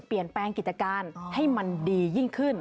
เปลี่ยนแปลงกิจการให้มันดียิ่งขึ้น